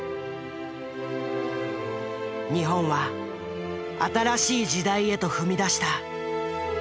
日本は新しい時代へと踏み出した。